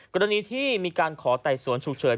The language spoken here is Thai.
กรณีที่มีการขอไต่สวนฉุกเฉิน